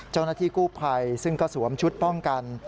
เจ้าหน้าที่กู้ภัยซึ่งก็สวมชุดป้องกัน